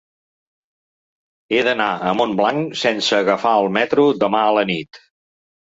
He d'anar a Montblanc sense agafar el metro demà a la nit.